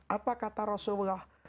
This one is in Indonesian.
apa kata rasulullah